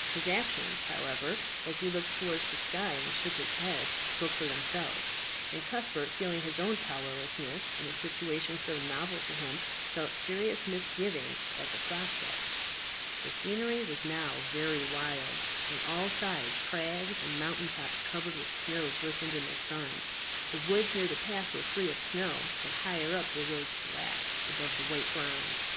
His actions, however, as he looked towards the sky, and shook his head, spoke for themselves, and Cuthbert, feeling his own powerlessness in a situation so novel to him, felt serious misgivings at the prospect. The scenery was now very wild. On all sides crags and mountain tops covered with snow glistened in the sun. The woods near the path were free of snow; but higher up they rose black above the white ground.